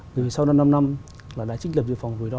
vì sau năm năm là đã trích lập dự phòng quỷ ro